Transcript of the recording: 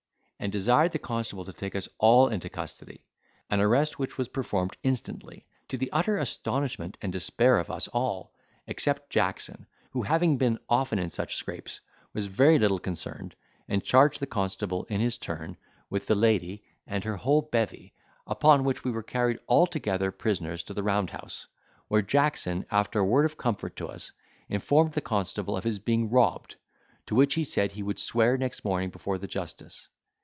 and desired the constable to take us all into custody; an arrest which was performed instantly, to the utter astonishment and despair of us all, except Jackson, who having been often in such scrapes, was very little concerned, and charged the constable, in his turn, with the landlady and her whole bevy; upon which we were carried altogether prisoners to the round house, where Jackson after a word of comfort to us, informed the constable of his being robbed, to which he said he would swear next morning before the justice.